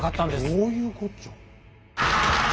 どういうこっちゃ。